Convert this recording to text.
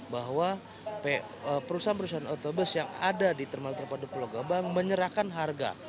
bahwa perusahaan perusahaan otobus yang ada di terminal terpadu pulau gabang menyerahkan harga